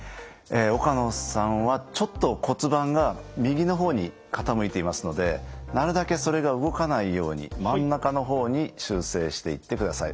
岡野さんはちょっと骨盤が右の方に傾いていますのでなるだけそれが動かないように真ん中の方に修正していってください。